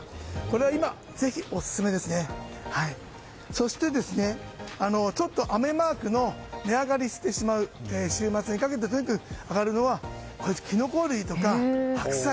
そして、ちょっと雨マークの値上がりしてしまう週末にかけて上がるのはキノコ類とか白菜。